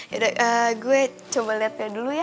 yaudah gue coba lihatnya dulu ya